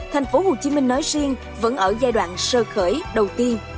thành phố hồ chí minh nói riêng vẫn ở giai đoạn sơ khởi đầu tiên